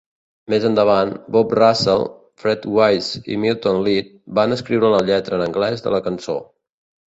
Més endavant, Bob Russell, Fred Wise i Milton Leeds van escriure la lletra en anglès de la cançó.